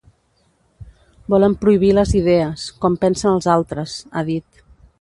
Volen prohibir les idees, com pensen els altres, ha dit.